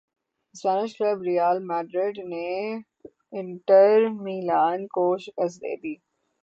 Spanish club Real Madrid نے Inter Milan کو شکست دے دی